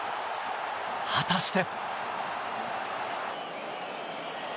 果たして。